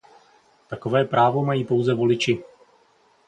Takové právo mají pouze voliči.